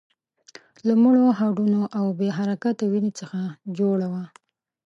له مړو هډونو او بې حرکته وينې څخه جوړه وه.